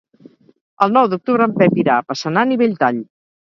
El nou d'octubre en Pep irà a Passanant i Belltall.